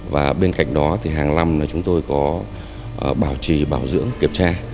và bên cạnh đó thì hàng năm là chúng tôi có bảo trì bảo dưỡng kiểm tra